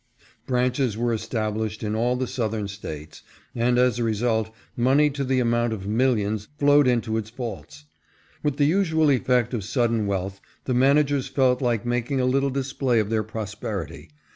Branches were established in all the 488 ITS FLOURISHING CONDITION. Southern States, and as a result, money to the amount of millions flowed into its vaults. With the usual effect of sudden wealth, the managers felt like making a little display of their prosperity.